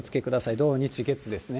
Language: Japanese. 土、日、月ですね。